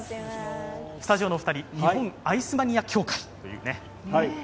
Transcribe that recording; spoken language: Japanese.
スタジオのお二人、日本アイスマニア協会というね。